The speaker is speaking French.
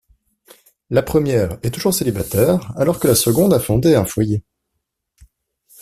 La première est toujours célibataire alors que la seconde a fondé un foyer.